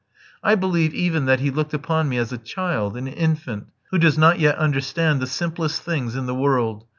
I believe even that he looked upon me as a child, an infant, who does not yet understand the simplest things in the world.